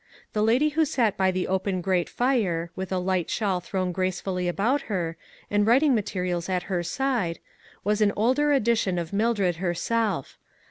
The lady who sat by the open grate fire, with a light shawl thrown gracefully about her, and writing materials at her side, was an. older edition of Mildred herself.